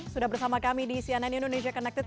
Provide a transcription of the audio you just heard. sudah bersama kami di cnn indonesia connected